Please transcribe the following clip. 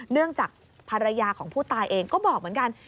เนื่องจากภรรยาของผู้ตายเองก็บอกเหมือนกัน